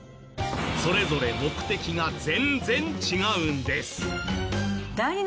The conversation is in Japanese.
それぞれ目的が全然違うんです。